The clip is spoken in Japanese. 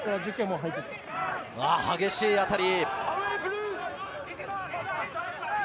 激しい当たり。